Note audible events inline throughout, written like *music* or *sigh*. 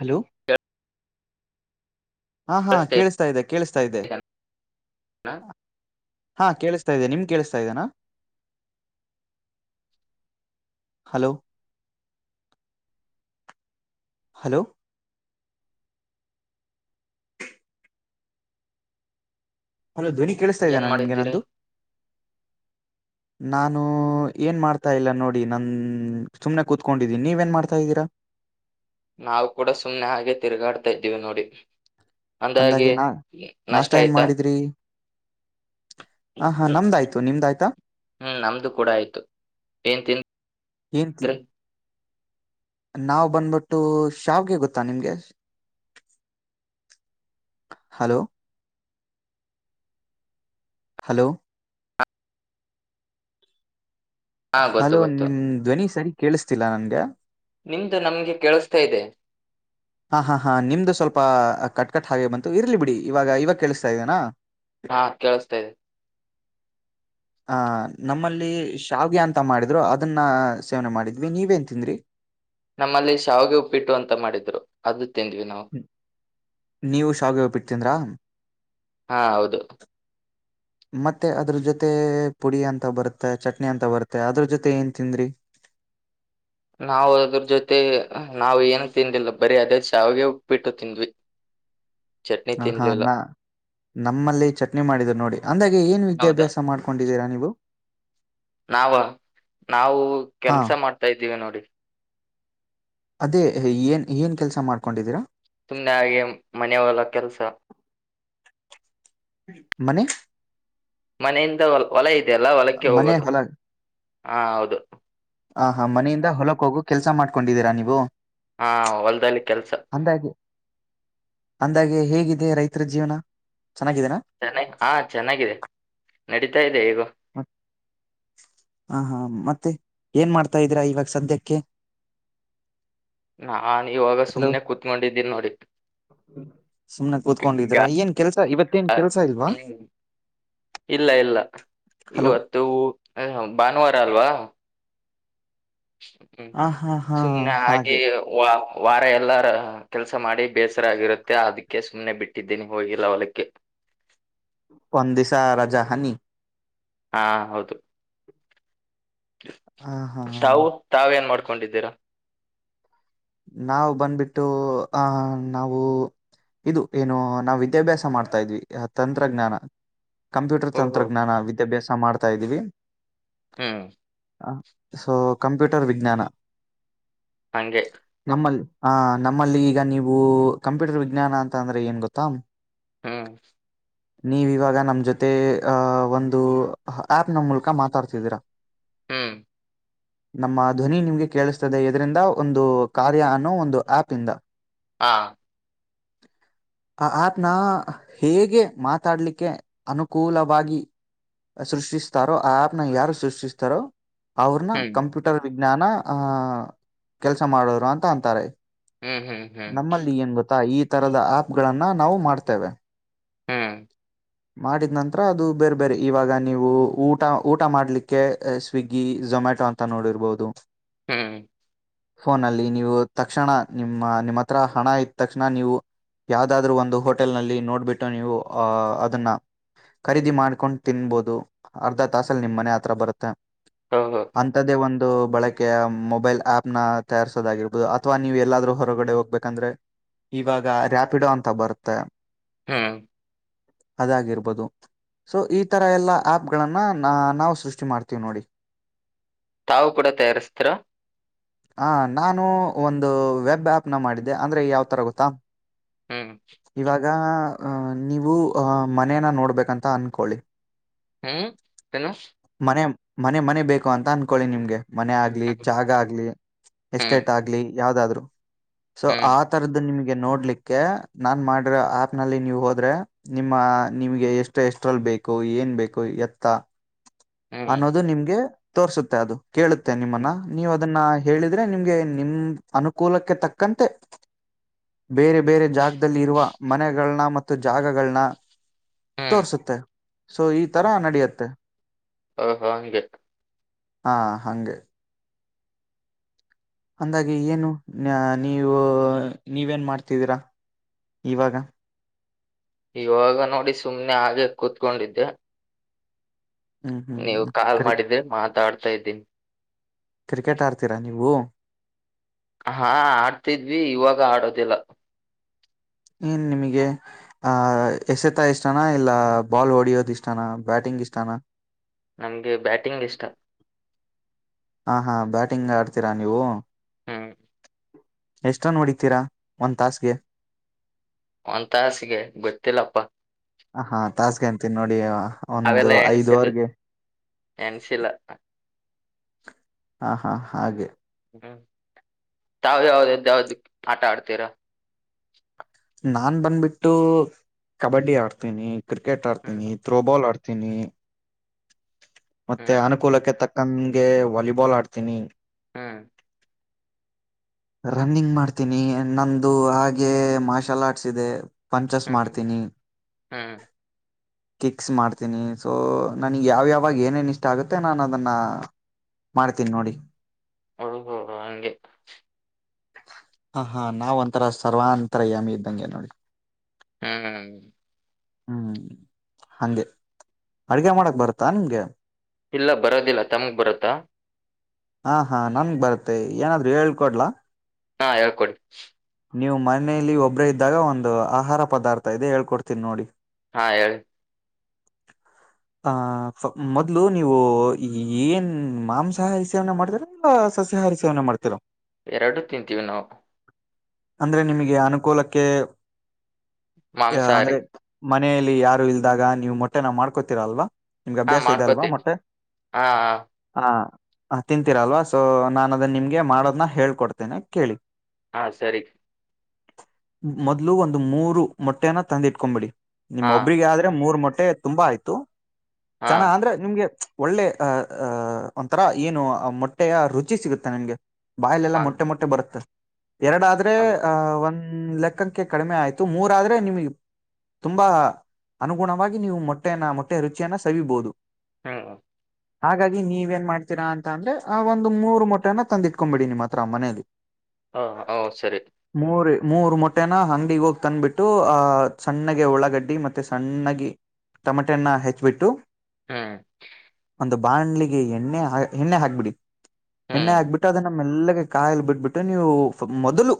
Hello ಹಾ ಹಾ ಕೇಳಿಸ್ತಾ ಇದೆ ಕೇಳಿಸ್ತಾ ಇದೆ ಇದೆನಾ ಹಾ ಕೇಳಸ್ ತಾಯ್ದೆ ನಿಮ್ಗ ಕೇಳ್ಸತಾ ಇದೇನ. ಹಲೋ ಹಲೋ ಹಲೋ ಧ್ವನಿ ಕೇಳಿಸ್ತಾ ಏನ್ ಇದೇನ ಮಾಡಿದ್ದೀರಿ ನಿಮ್ಗೆನಂದು. ನಾನು ಏನ್ ಮಾಡ್ತಾ ಇಲ್ಲ ನೋಡಿ ನನ್ ಸುಮ್ನೆ ಕೂತ್ಕೊಂಡಿದ್ದೀನಿ ನೀವೇನ್ ಮಾಡ್ತಾ ಇದ್ದೀರಾ. *inaudible* ನಾವು ಕೂಡ ಸುಮ್ಮ್ನೆ ಹಾಗೆ ತಿರುಗಾಡ್ತಾ ಇದ್ದೀವಿ ನೋಡಿ. ಅಂದಾಗೆ ನ ನಾಷ್ಟ ನಷ್ಟ ಏನ್ ಆಯ್ತಾ. ಮಾಡಿದ್ರಿ ಹ ಹಾ ಹ್ಮ್ ನಮ್ದಾಯ್ತು ನಿಮ್ದಾಯ್ತಾ ಹ್ಮ್ ನಮ್ದು ಕೂಡ ಆಯ್ತು. ಏನ್ ತಿನ್ ಹೇಲ್ತಿ ನಾವ್ ಬಂದ್ಬಿಟ್ಟು ಶಾವ್ಗೆ ಗೊತ್ತಾ ನಿಮ್ಗೆ. ಹಲೋ ಹಲೋ ಹಾ ಗೊತ್ತು ಹಲೋ ಗೊತ್ತು ನಿಮ್ ಧ್ವನಿ ಸರಿ ಕೇಳಿಸ್ತಿಲ್ಲಾ ನನ್ಗ ನಿಮ್ದು ನಮ್ಗೆ ಕೇಳಸ್ತಾ ಇದೆ. ಹಾ ಹಾ ಹಾ ನಿಮ್ದು ಸ್ವಲ್ಪ ಕಟ್ಕಟ್ ಹಾಗೆ ಬಂತು ಇರ್ಲಿ ಬಿಡಿ ಇವಾಗ ಇವಾಗ್ ಕೇಳಿಸ್ತಾ ಇದೆನಾ. ಹಾ ಕೇಳಿಸ್ತಾ ಇದೆ *inaudible* ಆ ನಮ್ಮಲ್ಲಿ ಶಾವಗೆ ಅಂತ ಮಾಡಿದ್ರು ಅದನ್ನ ಸೇವನೆ ಮಾಡಿದ್ವಿ ನೀವೇನ್ ತಿಂದ್ರಿ ನಮ್ಮಲ್ಲಿ ಶಾವಿಗೆ ಉಪ್ಪಿಟ್ಟು ಅಂತ ಮಾಡಿದ್ರು ಅದು ತಿಂದ್ವಿ ನಾವು ನೀವು ಶಾವ ಹೋಗ ಬಿಿಡ್ತೀನ್್ರಾ ಹಾ ಹೌದು *inaudible* ಮತ್ತೆ ಅದ್ರ ಜೊತೆ ಪುಡಿ ಅಂತ ಬರುತ್ತೆ ಚಟ್ನಿ ಅಂತ ಬರುತ್ತೆ ಅದ್ರ ಜೊತೆ ಏನ್ ತಿಂದ್ರಿ *inaudible* ನಾವು ಅದ್ರ ಜೊತೆ ನಾ್ ಏನು ತಿಂದಿಲ್ಲ ಬರಿೀ ಅದ ಶಾವಾಗೇ ಹೋಗಬಿಟ್ಟು ತಿಂದ್ವಿ *inaudible* ಚಟ್ನಿ ಹ ಹಾ ತಿನ್ಲಿಲ್ಲ ನಾ ನಮ್ಮಲ್ಲಿ ಚಟ್ನಿ ಮಾಡಿದ್ ನೋಡಿ ಅಂದಾಗೆ ಏನ್ ಹೌದಾ ವಿದ್ಯಾಭ್ಯಾಸ ಮಾಡ್ಕೊಂಡಿದ್ದೀರಾ ನೀವು ನಾವ ನಾವು ಹಾ ಕೆಲ್ಸ ಮಾಡ್ತಾ ಇದ್ದೀವಿ ನೋಡಿ ಅದೇ ಏನ್ ಏನ್ ಕೆಲ್ಸ ಮಾಡ್ಕೊಂಡಿದ್ದೀರಾ ಸುಮಮ್ಮನೆಾಗಿೆ ಮನವಲ್ಲ ಕೆಲ್ಸ ಮನೆ ಮನೆಯಿಂದ ಹೊಲ ಇದೆಯಲ್ಲ ಹೊಲಕ್ಕೆ ಮನೆ ಹೋಗೋದು ಹೊಲ ಹಾ ಹೌದು ಆ ಹಾ ಮನೆಯಿಂದ ಹೊಲಕ್ ಹೋಗು ಕೆಲ್ಸ ಮಾಡ್ಕೊಂಡಿದ್ದೀರಾ ನೀವು ಹಾ ಹೊಲ್ದಲ್ಲಿ ಕೆಲ್ಸ ಅಂದಾಗೆ ಅಂದಾಗೆ ಹೇಗಿದೆ ರೈತರ ಜೀವನ ಚೆನ್ನಾಗಿದೆನಾ ಚೆನ್ನ ಹಾ ಚೆನ್ನಾಗಿದೆ ನಡೀತಾ ಇದೆ ಈಗ ಹ ಹ ಹಾ ಮತ್ತೆ ಏನ್ ಮಾಡ್ತಾ ಇದ್ದೀರಾ ಇವಾಗ ಸದ್ಯಕ್ಕೆ ನಾ ಇವಾಗ ಹಲೋ ಸುಮ್ನೆ ಕುೂತ್ಕೊಂಡಿದ್ದೀನಿ ನೋಡಿ ಸುಮನೆ ಕುೂತ್ಕೊಂಡಿದರಾ ಗಾ ಏನ್ ಕೆಲ್ಸ ಇವತ್ತೇನ್ ಕೆಲ್ಸ ಇಲ್ವಾ ಹ್ಮ್ ಇಲ್ಲ ಇಲ್ಲ ಹಲೋ ಇವತ್ತು ಭಾನುವಾರ ಅಲ್ವಾ ಹ್ಮ್ ಹ ಹಾ ಹಾ ಸುಮ್ನೆ ಹಾಗೆ ವ ವಾರ ಎಲ್ಲಾರ ಕೆಲ್ಸ ಮಾಡಿ ಬೇಸರ ಆಗರುತ್ತೆ ಅದಕ್ಕೆ ಸುಮ್ನೆ ಬಿಟ್ಟಿದ್ದೀನಿ ಹೋಗಿಲ್ಲ ಹೊಲಕ್ಕೆ ಪಂದಿಸಾ ರಾಜಾಹಾನಿ ಹಾ ಹೌದು ಹ ಹಾ ತಾವು ತಾವೇನ್ ಮಾಡ್ಕೊಂಡಿದ್ದೀರಾ ನಾವವು್ ಬಂದ್ಬಿಟ್ಟು ಆಹ ನಾವು ಇದು ಏನು ನಾ್ ವಿದ್ಯಾಭ್ಯಾಸ ಮಾಡ್ತಾ ಇದ್ವಿ ತಂತ್ರಜ್ಞಾನ ಕಂಪ್ಯೂಟರ್ ಓಹೋ ತಂತ್ರಜ್ಞಾನ ವಿದ್ಯಾಭ್ಯಾಸ ಮಾಡ್ತಾ ಇದ್ದೀವಿ ಹ್ಮ್ ಸೊ ಕಂಪ್ಯೂಟರ್ ವಿಜ್ಞಾನ ಹಗೆ ನಲ್ಲಿ ಹ ನಮ್ಮಲ್ಲಿ ಈಗ ನೀವು ಕಂಪ್ಯೂಟರ್ ವಿಜ್ಞಾನ ಅಂತ ಅಂದ್ರೆ ಏನ್ ಗೊತ್ತಾ ಹ್ಮ್ ನೀವ ಇವಾಗ ನಮ ಜೊತೆ ಅ ಒಂದು ಆಪ್ ನ ಮೂಲಕ ಮಾತಾಡ್ತಿದ್ದೀರಾ ಹ್ಮ್ ನಮ್ಮ ಧ್ವನಿ ನಿಮ್ಗೆ ಕೇಳಿಸ್ತದೆ ಇದರಿಂದ ಒಂದು ಕಾರ್ಯ ಅನ್ನೋ ಒಂದು ಆಪ್ ಇಂದ ಹಾ *unintelligible* ಆ ಆ್ಯಪ್ನ ಹೇಗೆ ಮಾತಾಡ್ಲಿಕ್ಕೆ ಅನುಕೂಲವಾಗಿ ಸೃಷ್ಟಿ್ಾರೋ ಆ ಆ್ಯಪ್ನ ಯಾರು ಸೃಷ್ಟಿ್ಾರೋ ಅವ್ರನ್ನ ಹ್ಮ್ ಕಂಪ್ಯೂಟರ್ ವಿಜ್ಞಾನ ಆಹ ಕೆಲ್ಸ ಮಾಡೋರು ಅಂತ ಅಂತಾರೆ ಹ್ಮ್ ಹ್ಮ್ ಹ್ಮ್ ನಮ್ಮಲ್ಲಿ ಏನ್ ಗೊತ್ತಾ ಈ ತರದ ಆ್ಯಪ್ಗಳಗಳನ್ನು ನಾವು ಮಾಡ್ತೇವೆ ಹ್ಮ್ ಮಾಡಿದ್ ನಂತರ ಅದು ಬೇರೆ ಬೇರೆ ಇವಾಗ ನೀವು ಊಟ ಊಟ ಮಾಡ್ಲಿಕ್ಕೆ ಸ್ವಿಗ್ಗಿ ಝೊಮ್ಯಾಟೊ ಅಂತ ನೋಡಿರ್ಬಹುದು ಹ್ಮ್ ಫೋನಲ್ಲಿ ನೀವು ತಕ್ಷಣ ನಿಮ್ಮ ನಿಮ್ಮ ಹತ್ರ ಹಣ ಇದ್ದ ತಕ್ಷಣ ನೀವು ಯಾವುದಾದರೂ ಒಂದು ಹೋಟೆಲ್ ನಲ್ಲಿ ನೋಡ್ಬಿಟ್ಟು ನೀವು ಹ ಅದನ್ನ ಖರೀದಿ ಮಾಡ್ಕೊಂಡ್ ತಿನ್ನಬಹುದು ಅರ್ಧ ತಾಸಲ್ಲಿ ನಿಮ್ ಮನೆ ಆತ್ರ ಬರುತ್ತೆ ಓಹೋ ಅಂಥದೇ ಒಂದು ಬಳಕೆ ಮೊಬೈಲ್ ಆಪ್ ನ ತಯಾರಸೋದಾಗಿರ್ಬಹುದು ಅಥವಾ ನೀವು ಎಲ್ಲಾದ್ರೂ ಹೊರಗಡೆ ಹೋಗ್ಬೇಕಂದ್ರೆ ಇವಾಗ ರಾಪಿಡೊ ಅಂತ ಬರುತ್ತೆ ಹ್ಮ್ ಅದಾಗಿರ್ಬೋದು ಸೊ ಈ ತರ ಎಲ್ಲಾ ಆಪ್ಗಳನ್ನ ನ ನಾವು ಸೃಷ್ಟಿ ಮಾಡ್ತೀವಿ ನೋಡಿ *unintelligible* ತಾವು ಕೂಡ ತಯಾರಿಸ್ತೀರ ಹ ನಾನು ಒಂದು ವೆಬ್ ಆಪ್ನ ಮಾಡಿದ್ದೆ ಅಂದ್ರೆ ಯಾವತರ ಗೊತ್ತಾ ಹ್ಮ್ ಈಗ ಅ ನೀವು ಅ ಮನೇನ ನೋಡ್ಬೇಕಂತ ಅನ್ಕೊಳ್ಳಿ ಹ್ಮ್ ಏನ್ನು ಮನೆ ಮನೆ ಮನೆ ಬೇಕು ಅಂತ ಅನ್ಕೊಳ್ಳಿ ನಿಮ್ಗೆ ಮನೆ ಆಗ್ಲಿ ಜಾಗ ಆಗ್ಲಿ ಹ್ಮ್ ಎಸ್ಟೇಟ್ ಆಗ್ಲಿ ಯಾವ್ದಾದ್ರು ಸೊ ಹ್ಮ್ ಆ ತರದು ನಿಮಗೆ ನೋಡ್ಲಿಕ್ಕೆ ನಾನ್ ಮಾಡಿರೋ ಆಪ್ ನಲ್ಲಿ ನೀವು ಹೋದ್ರೆ ನಿಮ್ಮ ನಿಮ್ಗೆ ಎಷ್ಟು ಎಷ್ಟ್ರಲ್ಲಿ ಬೇಕು ಏನ್ ಬೇಕು ಎತ್ತ ಹ್ಮ್ ಅನ್ನೋದು ನಿಮ್ಗೆ ತೋರ್ಸುತ್ತೆ ಅದು ಕೇಳುತ್ತೆ ನಿಮ್ಮನ್ನ ಹ್ಮ್ ನೀವು ಅದು ಅದನ್ನ ಹೇಳಿದ್ರೆ ನಿಮ್ಗೆ ನಿಮ ಅನುಕೂಲಕ್ಕೆ ತಕ್ಕಂತೆ ಬೇರೆ ಬೇರೆ ಜಾಗದಲ್ಲಿ ಇರುವ ಮನೆಗಳನ್ನ ಮತ್ತು ಜಾಗಗಳನ್ನ ಹ್ಮ್ ತೋರ್ಸುತ್ತೆ ಸೊ ಈ ತರ ನಡೆಯುತ್ತೆ ಹ್ಮ ಹ್ಮ ಹಂಗೆ ಹಾ ಹಂಗೆ ಅಂದಾಗಿ ಏನು ನೀವು ನೀವೇನ್ ಮಾಡ್ತಿದ್ದೀರಾ ಇವಾಗ ಇವಾಗ ನೋಡಿ ಸುಮ್ನೆ ಹಾಗೆ ಕೂತ್ಕೊಂಡಿದ್ದೆ ಹ್ಮ್ ಹ್ಮ್ ನೀವು ಹ್ಮ್. ಕಾಲ್ ಕ್ರಿ ಮಾಡಿದ್ರೆ ಮಾತಾಡ್ತಾ ಇದ್ದೀನಿ ಕ್ರಿಕೆಟ್ ಆಡ್ತೀರಾ ನೀವು ಹಾ ಆಡ್ತಿದ್ವಿ ಇವಾಗ ಆಡೋದಿಲ್ಲ ಏನ್ ನಿಮಗೆ ಆಹ ಎಸೆತ ಇಷ್ಟಾನ ಇಲ್ಲ ಬಾಲ್ ಓಡಿಯೋದ ಇಷ್ಟಾನ ಬ್ಯಾಟಿಂಗ್ ಇಷ್ಟಾನಾ ನನಗೆ ಬ್ಯಾಟಿಂಗ್ ಇಷ್ಟ ಹಾ ಹಾ ಬ್ಯಾಟಿಂಗ್ ಆಡ್ತೀರಾ ನೀವು ಹ್ಮ್ ಎಷ್ಟ್ ರನ್ನ ಹೊಡಿತೀರಾ ಒಂದ ತಾಸ್ಗೆ ಒಂದ್ ತಾಸಿಗೆ ಗೊತ್ತಿಲ್ಲಪ್ಪಾ ಹಾ ಹೆ ತಾಸ್ ಗೆ ಅಂತೀನಿ ನೋಡಿ ಒಂದು ಐದ್ ಓವರ್ ಗೆ ಎನ್ಸಿಲ ಹ ಹಾ ಹಾಗೆ ಹ್ಮ್ ತಾವ ಯಾವ್ದ್ ಯಾವುದಕ್ಕೆ ಆಟ ಆಡ್ತೀರ ನಾನ್ ಬಂದ್ಬಿಟ್ಟು ಕಬಡ್ಡಿ ಆಡ್ತೀನಿ ಕ್ರಿಕೆಟ್ ಆಡ್ತೀನಿ ಹ್ಮ್ ತ್ರೋಬಾಲ್ ಆಡ್ತೀನಿ ತಿನ್ನಿ ಮತ್ತೆ ಹ್ಮ್ ಅನುಕೂಲಕ್ಕೆ ತಕ್ಕಂಗೆ ವಾಲಿಬಾಲ್ ಆಡ್ತೀನಿ ಹ್ಮ್ *inaudible* ರನ್ನಿಂಗ್ ಮಾಡ್ತೀನಿ ನಂದು ಹಾಗೆ ಮಾರ್ಷಲ್ ಆರ್ಟ್ಸ್ ಇದೆ ಪಂಚಸ್ ಹ್ಮ್ ಮಾಡ್ತೀನಿ ಹ್ಮ್ ಕಿಕ್ಸ್ ಮಾಡ್ತೀನಿ ಸೊ ನನಗ್ ಯಾವ್ಯಾವ ಅವಾಗ ಏನೇನ್ ಇಷ್ಟ ಆಗುತ್ತೆ ನಾನು ಅದನ್ನ ಮಾಡ್ತೀನಿ ನೋಡಿ. ಹೌದು ಹಂಗೆ. ಹ ಹಾ ನಾವ ಒಂಥರ ಸರ್ವಾಂತರಯಾಮಿ ಇದ್ದಂಗೆ ನೋಡಿ. ಹ್ಮ್. ಹ್ಮ್ ಹಂಗೆ ಅಡ್ಗೆ ಮಾಡಕ್ ಬರುತ್ತಾ ನಿಮ್ಗೆ. ಇಲ್ಲ ಬರೋದಿಲ್ಲ ತಮಗ್ ಬರತ್ತಾ. ಹಾ ಹಾ ನನಗ ಬರುತ್ತೆ ಏನಾದ್ರು ಹೇಳ್ಕೊಡ್ಲಾ. ಹಾ ಹೇಳ್ಕೊಡಿ. ನೀವು ಮನಲಿ ಒಬ್ಬ್ರ ಇದ್ದಾಗ ಒಂದು ಆಹಾರ ಪದಾರ್ಥ ಇದೆ ಹೇಳ್ಕೊಡ್ತೀನ್ ನೋಡಿ. ಹಾ ಹೇಳಿ. ಆ. ಮೊದ್ಲು ನೀವು ಏನ್ ಮಾಂಸಾಹಾರಿ ಸೇವನೆ ಮಾಡ್ತೀರಾ ಇಲ್ಲ ಸಸ್ಯಾಹಾರಿ ಸೇವನೆ ಮಾಡ್ತೀರಾ. ಎರಡು ತಿಂತೀವಿ ನಾವು. ಅಂದ್ರೆ ನಿಮಗೆ ಅನುಕೂಲಕ್ಕೆ ಮಾಂಸಾಹಾರಿ ಅಂದ್ರೆ. ಮನೆಯಲ್ಲಿ ಯಾರು ಇಲ್ದಾಗ ನೀವ ಮೊಟ್ಟೆನಾ ಮಾಡ್ಕೋತೀರ ಅಲ್ವಾ. ನಿಮ್ಗೆ ಹಾ ಅಭ್ಯಾಸ ಇದೆ ಅಲ್ವಾ ಮಾಡ್ಕೋತೀವಿ ಮೊಟ್ಟೆ ಹಾ ಹಾ ಹಾ. ಹ ತಿಂತೀರಲ್ವಾ ಸೊ ನಾನು ಅದನ್ನ ನಿಮಗೆ ಮಾಡೋದನ್ನ ಹೇಳ್ಕೊಡ್ತೇನೆ ಕೇಳಿ. ಹಾ ಸರಿ. ಮೊದ್ಲು ಒಂದು ಮೂರು ಮೊಟ್ಟೆಯನ ತಂದಿಟ್ಕೊಂಬಿಡಿ. ನಿಮ್ಮ್ ಹಾ ಒಬ್ರಿಗೆ ಆದ್ರೆ ಮೂರ್ ಮೊಟ್ಟೆ ತುಂಬಾ ಆಯ್ತು ಹಾ ಚನ್ನ ಅಂದ್ರೆ ನಿಮ್ಗೆ. ಒಳ್ಳೆ ಅಹಹ ಒಂಥರಾ ಏನು ಮೊಟ್ಟೆಯ ರುಚಿ ಸಿಗುತ್ತೆ ನಿಮ್ಗೆ. ಬಾಯಲೆಲ್ಲ ಹಂಗ ಮೊಟ್ಟೆ ಮೊಟ್ಟೆ ಬರುತ್ತೆ. ಎರಡಾದ್ರೆ ಹಂಗ್ ಅಹ ಒಂದ್ ಲೆಕ್ಕಕ್ಕೆ ಕಡಿಮೆ ಆಯ್ತು ಮೂರ ಆದ್ರೆ ನಿಮಗೆಗ್ ತುಂಬಾ ಅನುಗುಣವಾಗಿ ನೀವು ಮೊಟ್ಟೆಯನ ಮೊಟ್ಟೆ ರುಚಿಯನ್ನ ಸವಿಬಹುದು. ಹ್ಮ್. ಹಾಗಾಗಿ ನೀವೇನ್ ಮಾಡ್ತೀರಾ ಅಂತ ಅಂದ್ರೆ ಆ ಒಂದು ಮೂರು ಮೊಟ್ಟೆನ ತಂದಿಟ್ಕೊಂಬಿಡಿ ನಿಮ್ಮ ಹತ್ರ ಆ ಮನೇಲಿ. ಹಾ ಹ ಸರಿ. ಮೂರು ಮೊಟ್ಟೆನ ಅಂಗಡಿಿಗೆ ಹೋಗಿ ತಂದ್ಬಿಟ್ಟು ಅಹ ಸಣ್ಣಗೆ ಉಳಗಡ್ಡಿ ಮತ್ತೆ ಸಣ್ಣಾಗಿ. ಟೊಮೆಟೆನ್ನ ಹೆಚ್ಚಬಿಟ್ಟು. ಹ್ಮ್. ಒಂದು ಬಾಂಡ್ಲಿಗೆ ಎಣ್ಣೆ ಎಣ್ಣೆ ಹಾಕ್ಬಿಡಿ ಎಣ್ಣೆ ಹ್ಮ್ ಹಾಕ್ಬಿಟ್ಟು ಅದನ ಮೆಲ್ಲಗೆ ಕಾಯಲು ಬಿಟ್ಬಿಟ್ಟು ನೀವು ಮೊದಲು.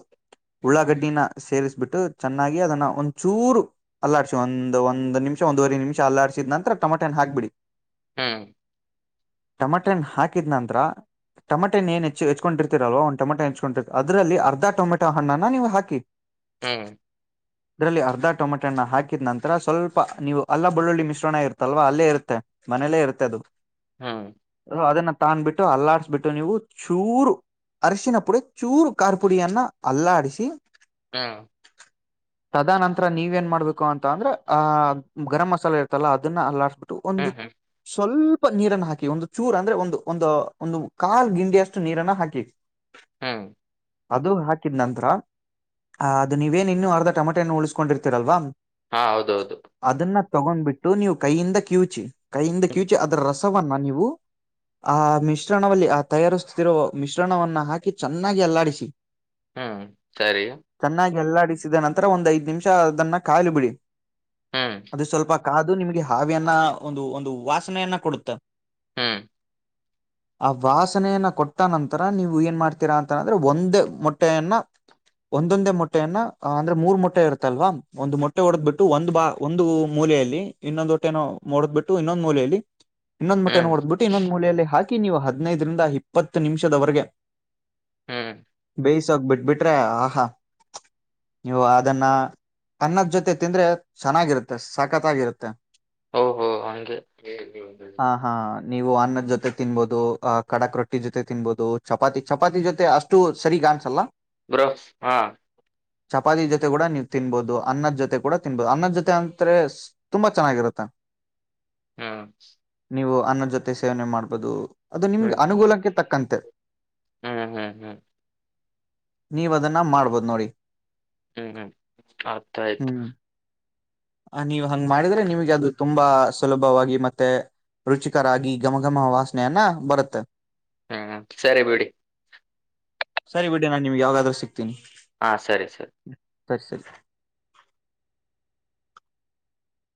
ಉಳ್ಳಾಗಡ್ಡಿನ ಸೇರಿಸ್ಬಿಟ್ಟು ಚೆನ್ನಾಗಿ ಅದನ್ನ ಒಂದ್ ಚೂರು ಅಲ್ಲಾಡ್ಸಿ ಒಂದ ಒಂದ ನಿಮ ಒಂದವರೆ ನಿಮಿಷ ಅಲ್ಲಾಡಿದ ನರ ಟಮಟನ್ ಹಾಕ್ಬಿಡಿ. ಹ್ಮ್. ಟಮಟನ್ ಹಾಕಿದ್ ನಂತ್ರ. ಟಮೆಟೆಏ ಏನ್ ಹೆಚ್ಚಚ್ಕೊಂಡಿರ್ತೀರಲ್ ಒ ಟಮಟೆ ಹೆಚ್ಕೊಂಡಿರ್ ಅದ್ರಲ್ಲಿ ಅರ್ಧ ಟಮೆಟ ಹಣ್ಣನ ನೀವ ಹಾಕಿ. ಹ್ಮ್. ಅದರಲ್ಲಿ ಅರ್ಧ ಟೊಮೆಟಣ್ಣ ಹಾಕಿದ ನಂತರ ಸ್ವಲ್ಪ ನೀವು ಅಲ್ಲ ಬಳ್ಳುಳ್ಳಿ ಮಿಶ್ರಣ ಇರ ಅಲ್ವಾ ಅಲ್ಲೇ ಇರುತ್ತೆ ಮನೇಲ್ಲೇ ಇರುತ್ತೆ ಹ್ಮ್ ಅದು ಹ್ಮ್ ಅದನಾ ತಾನ ಬಿಟ್ಟು ಅಲ್ಲಾಡ್ಸಬಿಟ್ಟು ನೀವು ಚೂರು. ಅರಶಿನ ಪುಡೆ ಚೂರು ಖಾರ ಪುಡಿಯನ್ನ ಅಲ್ಲಾಡಿಸಿ. ಹ್ಮ್. ತದನಂತರ ನೀವ ಏನ್ ಮಾಡ್ಬೇಕು ಅಂತ ಅಂದ್ರೆ ಆಹ ಗರಂ ಮಸಾಲೆ ಇರ್ತಲ್ಲ ಅದನ್ನ ಅಲ್ಲಾಡ್ಬು. ಒಂದು ಹ್ಮ್ ಸ್ವಲ್ಪ ಸ್ಪ ನೀರನ್ನ ಹಾಕಿ ಒಂದು ಚೂರ್ ಅಂದ್ರೆ ಒಂದು ಒಂದು ಒಂದು ಕಾಲ್ ಗಿಂಡಿಯ ಅಷ್ಟು ನೀರನ್ನ ಹಾಕಿ. ಹ್ಮ್. ಅದು ಹಾಕಿದ್ ನಂತರ ಅ ಅದು ನೀವೇನ್ ಇನ್ನು ಅರ್ಧ ಟೊಮೆಟೆನನ್ನು ಉಳಿಸಕೊಂಡಿರ್ತೀರಲ್ವಾ. ಹಾ ಹೌದೌದು. ತಗೊಂಡ್ಬಿಟ್ಟು ನೀವು ಕೈಯಿಂದ ಕಿೂಚಿ ಕೈಯಿಂದ ಹ್ಮ್ ಕ್ಯೂಚಿ ಅದರ ರಸವನ್ನ ನೀವು ಆ ಮಿಶ್ರಣದಲ್ಲಿ ಆ ತಯಾರಿಸುತ್ತಿರುವೋ ಮಿಶ್ರಣವನ್ನ ಹಾಕಿ ಚೆನ್ನಾಗಿ ಅಲ್ಲಾಡಿಸಿ ಹ್ಮ್ ಸರಿ ಎಲ್ಲಾಡಿಸಿದ ನಂತರ ಒಂದ್ ಐದ ನಿಮಿಷ ಅದನ್ನ ಕಾಲಲು ಬಿಡಿ ಹ್ಮ್ ಅದು ಸ್ವಲ್ಪ ಕಾದು ನಿಮಗೆ ಹಾವಿಯನ್ನ ಒಂದು ಒಂದು ವಾಸನೆಯನ್ನ ಕೊಡುತ್ತ ಹ್ಮ್ *inaudible* ಆ ವಾಸನೆಯನ್ನ ಕೊಟ್ಟ ನಂತರ ನೀವು ಏನ್ ಮಾಡ್ತೀರಾ ಅಂತನಂದ್ರೆ ಒಂದೇ ಮೊಟ್ಟೆಯನ್ನ ಒಂದೊಂದೇ ಮೊಟ್ಟೆಯನ್ನ ಅಂದ್ರೆ ಮೂರ್ ಮೊಟ್ಟೆ ಇರುತ್ತಲ್ವಾ ಒಂದಂದು ಮೊಟ್ಟೆ ಹೊಡೆದ್ ಬಿಿಟ್ಟು ಒಂದು ಬಾ ಒಂದು ಮೂಲೆಯಲ್ಲಿ ಇನ್ನೊಂದು ಹೊಟ್ಟೆ ನೋಡದ್ ಬಿಟ್ಟು ಇನ್ನೊಂದ್ ಮೂಲೆಯಲ್ಲಿ ಇನ್ನೊಂದ್ ಹೊಟ್ಟೆ ಹ್ಮ್ ನೋಡದ್ ಬಿಟ್ಟು ಇನ್ನೊಂದ ಮೂಲೆಯಲ್ಲಿ ಹಾಕಿ ಹಾಕಿ ನೀವು ಹದಿನೈದರಿಂದ ಇಪ್ಪತ್ತು ನಿಮಿಷದವರೆಗೆ ಹ್ಮ್ ಬೇಯಿಸ ಹೋಗ ಬಿಟ್ಬಿಟ್ರೆ ಆ ಹಾ ನೀವು ಅದನ್ನ ಅನ್ನದ್ ಜೊತೆ ತಿಂದ್ರೆ ಚೆನ್ನಾಗಿರುತ್ತೆ ಸಕತಗಿರುತ್ತೆ ಓಹೋ ಹಗೆ ಹಾ ಹಾ ನೀವು ಅನ್ನದ ಜೊತೆ ತಿನ್ಬಹುದು ಅಹ್ ಕಡಕ್ ರೊಟ್ಟಿ ಜೊತೆ ತಿನ್ಬಹುದು ಚಪಾತಿ ಚಪಾತಿ ಜೊತೆ ಅಷ್ಟು ಸರಿ ಚಾನ್ಸ್ ಅಲ್ಲ ಬ್ರೋ ಹಾ ಚಪಾತಿ ಜೊತೆ ಕೂಡ ನೀವ್ ತಿನ್ಬೋದು ಅನ್ನದ್ ಜೊತೆ ಕೂಡ ತಿನ್ಬಹದು ಅನ್ನದ್ ಜೊತೆ ಅಂತ್ರೆ ತುಂಬಾ ಚೆನ್ನಾಗಿರುತ್ತೆ ಹ್ಮ ನೀವು ಅನ್ನ ಜೊತೆ ಸೇವನೆ ಮಾಡ್ಬಹುದು ಅದು ನಿಮ್ಗೆ ಹ್ಮ್ ಅನುಗೂಲಕ್ಕೆ ತಕ್ಕಂತೆ ಹ್ಮ್ ಹ್ಮ್ ಹ್ಮ್ ನೀವ ಅದನ್ನ ಮಾಡ್ಬೋದು ನೋಡಿ ಹ್ಮ್ ಹ್ಮ್ ಆತ ಆಯ್ತು ನೀವು ಹಂಗ್ ಮಾಡಿದ್ರೆ ನಿಮ್ಗೆ ಅದು ತುಂಬಾ ಸುಲಭವಾಗಿ ಮತ್ತೆ ರುಚಿಕರಾಗಿ ಘಮಘಮ ವಾಸನೆಯನ್ನ ಬರುತ್ತೆ ಹ್ಮ್ ಸರಿ ಬಿಡಿ ಸರಿ ಬಿಡ ನಾನ್ ನಿಮ್ಗೆ ಯಾವಾದ್ ಸಿಕ್ತ ಹಾ ಸರಿ ಸರಿ ತರಿರಿಸರಿ